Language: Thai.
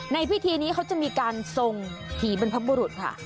ในพิธีนี้เขาจะมีการทรงผีบรรพบุรุษค่ะ